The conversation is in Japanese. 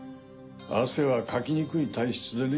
汗はかきにくい体質でね。